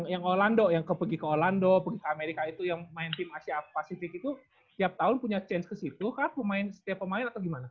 yang olando yang pergi ke olando pergi ke amerika itu yang main tim asia pasifik itu tiap tahun punya chance ke situ kan pemain setiap pemain atau gimana